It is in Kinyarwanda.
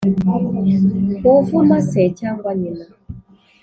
uvuma se cyangwa nyina,